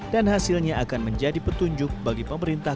dan hasilnya akan menjadi petunjuk bagi pemerintah